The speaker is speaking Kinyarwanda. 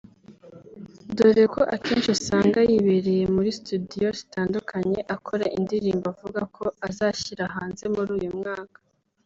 doreko akenshi usanga yibereye muri studio zitandukanye akora indirimbo avuga ko azashyira hanze muri uyu mwaka